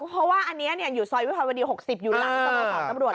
เพราะว่าอันเนี้ยเนี้ยอยู่ซอยวิภัณฑ์วดีหกสิบอยู่หลังสโมสรตำรวจเลย